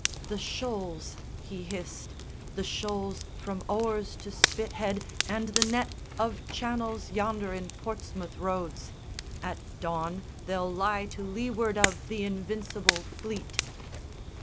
"The shoals," he hissed, "The shoals from Owers to Spithead and the net Of channels yonder in Portsmouth Roads. At dawn They'll lie to leeward of the Invincible Fleet!"